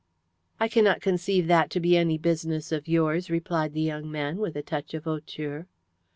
"I cannot conceive that to be any business of yours," replied the young man, with a touch of hauteur.